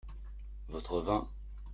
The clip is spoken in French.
votre vin.